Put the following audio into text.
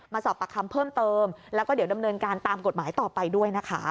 สอบปากคำเพิ่มเติมแล้วก็เดี๋ยวดำเนินการตามกฎหมายต่อไปด้วยนะคะ